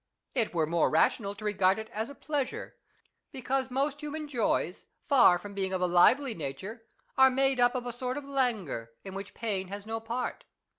It were more rational to regard it as a pleasure ; because most human joys, far from being of a lively nature, are made up of a sort of languor, in which pain has no part.